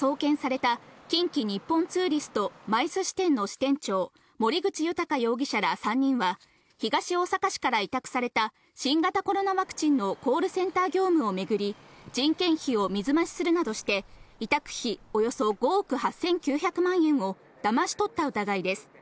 今朝送検された近畿日本ツーリスト・ＭＩＣＥ支店の支店長森口裕容疑者ら３人は、東大阪市から委託された新型コロナワクチンのコールセンター業務を巡り、人件費を水増しするなどして、委託費およそ５億８９００万円をだまし取った疑いです。